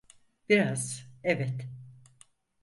Biraz, evet.